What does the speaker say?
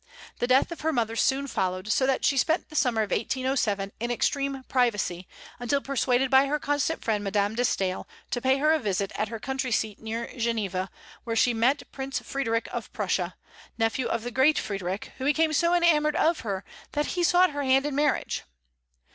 The death of her mother soon followed, so that she spent the summer of 1807 in extreme privacy, until persuaded by her constant friend Madame de Staël to pay her a visit at her country seat near Geneva, where she met Prince Frederick of Prussia, nephew of the great Frederic, who became so enamored of her that he sought her hand in marriage.